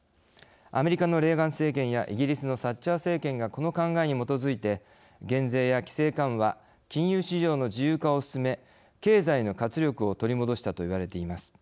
アメリカのレーガン政権やイギリスのサッチャー政権がこの考えに基づいて減税や規制緩和金融市場の自由化を進め経済の活力を取り戻したといわれています。